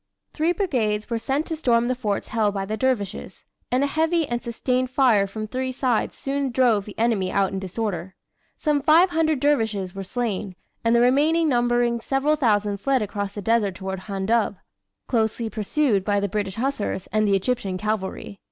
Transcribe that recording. Three brigades were sent to storm the forts held by the dervishes, and a heavy and sustained fire from three sides soon drove the enemy out in disorder. Some 500 dervishes were slain, and the remainder numbering several thousand fled across the desert toward Handub closely pursued by the British Hussars and the Egyptian cavalry.